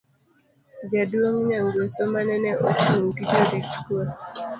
jaduong' Nyangweso manene ochung' gi jorit kwe